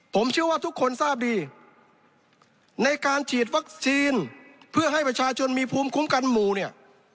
ผมเชื่อว่าทุกคนทราบดีในการฉีดวัคซีนเพื่อให้ประชาชนมีภูมิคุ้มกันหมู่เนี่ย